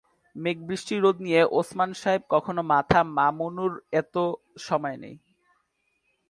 মেঘ-বৃষ্টি-রোদ নিয়ে ওসমান সাহেব কখনো মাথা মামুনুর এত সময় নেই।